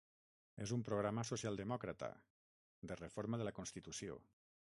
És un programa socialdemòcrata, de reforma de la constitució.